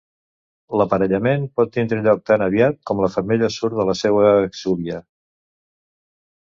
L'aparellament pot tindre lloc tan aviat com la femella surt de la seua exúvia.